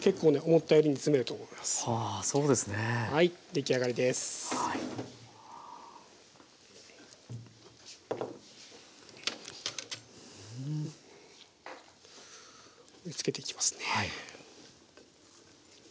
盛りつけていきますね。